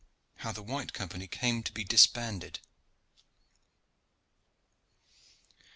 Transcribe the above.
HOW THE WHITE COMPANY CAME TO BE DISBANDED.